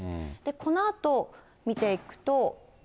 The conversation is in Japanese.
このあと見ていくと。